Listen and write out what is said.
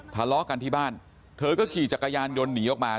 ทะเลาะกันที่บ้านเธอก็ขี่จักรยานยนต์หนีออกมา